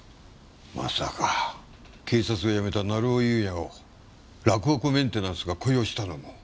まさか警察を辞めた成尾優也を洛北メンテナンスが雇用したのも？